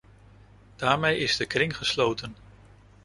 Daarmee is de kring gesloten.